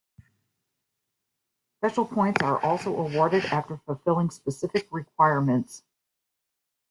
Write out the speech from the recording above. Special points are also awarded after fulfilling specific requirements.